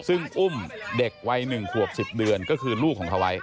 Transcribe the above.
ซึ่งอุ้มเด็กวัย๑ขวบ๑๐เดือนก็คือลูกของเขาไว้